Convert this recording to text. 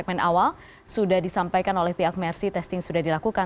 segmen awal sudah disampaikan oleh pihak mercy testing sudah dilakukan